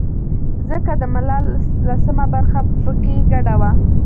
ځکه د ملا لسمه برخه په کې ګډه وه.